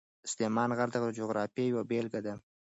سلیمان غر د جغرافیې یوه بېلګه ده.